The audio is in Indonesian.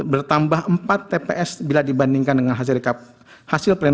bertambah empat tps bila dibandingkan dengan hasil penyusunan daftar pemilih